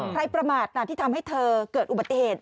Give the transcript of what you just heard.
ประมาทที่ทำให้เธอเกิดอุบัติเหตุ